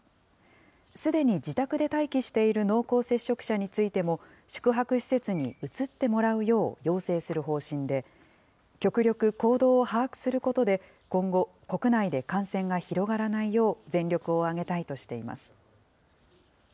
すでに自宅で待機している濃厚接触者についても、宿泊施設に移ってもらうようようせいする方針で、極力、行動を把握することで今後、国内で感染が広がらないよう全力を挙げたいとしています。